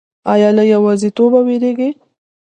ایا له یوازیتوب ویریږئ؟